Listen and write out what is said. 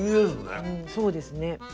うんそうですね。